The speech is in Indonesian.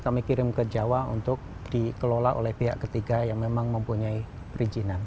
kami kirim ke jawa untuk dikelola oleh pihak ketiga yang memang mempunyai perizinan